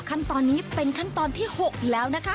ขั้นตอนนี้เป็นขั้นตอนที่๖แล้วนะคะ